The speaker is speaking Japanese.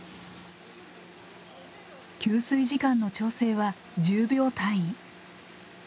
吸水時間の調整は１０秒単位。